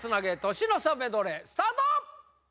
年の差メドレースタート！